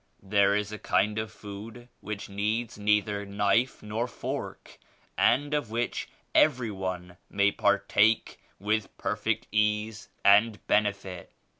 There is a kind of food which needs neither knife nor fork and of which every one may par take with perfect ease and benefit.